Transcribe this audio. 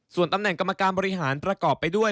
ส่วนตำแหน่งกรรมการบริหารประกอบไปด้วย